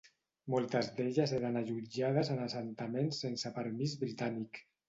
Moltes d'elles eren allotjades en assentaments sense permís britànic.